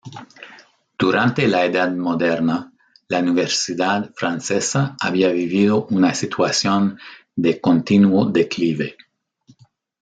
Durante la Edad Moderna, la universidad francesa había vivido una situación de continuo declive.